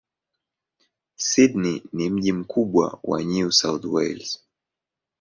Sydney ni mji mkubwa wa New South Wales.